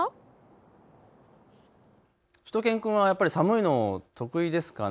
しゅと犬くんはやっぱり寒いの得意ですかね。